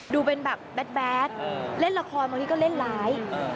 ดูเป็นแบบแดดเล่นละครบางทีก็เล่นร้าย